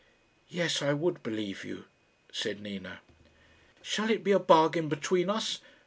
"Yes, I would believe you," said Nina. "Shall it be a bargain between us?